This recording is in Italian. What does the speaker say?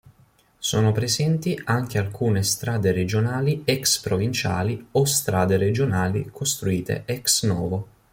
Sono presenti anche alcune strade regionali ex provinciali o strade regionali costruite ex novo.